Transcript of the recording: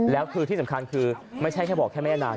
แล้วคือที่สำคัญคือไม่ใช่แค่บอกแค่แม่นาน